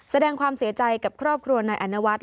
แสดงความเสียใจกับครอบครัวนายอนวัฒน